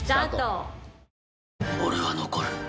俺は残る。